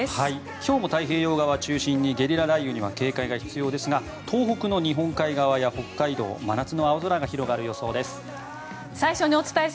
今日も太平洋側を中心にゲリラ雷雨には警戒が必要ですが東北の日本海側や北海道真夏の青空が広がる予想です。